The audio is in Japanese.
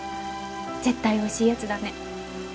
絶対おいしいやつだね。